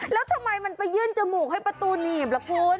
แล้วทำไมมันไปยื่นจมูกให้ประตูหนีบล่ะคุณ